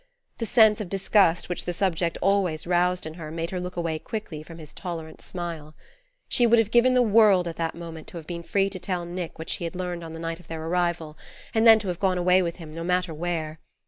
The sense of disgust which the subject always roused in her made her look away quickly from his tolerant smile. She would have given the world, at that moment, to have been free to tell Nick what she had learned on the night of their arrival, and then to have gone away with him, no matter where.